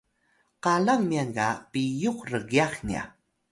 qalang myan ga piyux rgyax nya